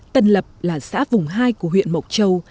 tân lập là xã vùng hai của huyện mộc châu